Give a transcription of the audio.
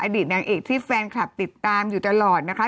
อดีตนางเอกที่แฟนคลับติดตามอยู่ตลอดนะคะ